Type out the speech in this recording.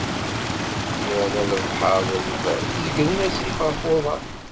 Irra lebḥer d lberr, zegren asif ɣef uḍar.